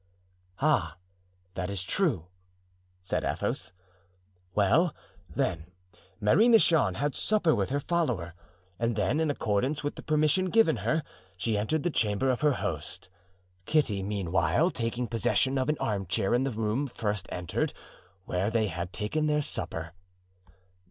"Ah, that is true," said Athos. "Well, then, Marie Michon had supper with her follower, and then, in accordance with the permission given her, she entered the chamber of her host, Kitty meanwhile taking possession of an armchair in the room first entered, where they had taken their supper."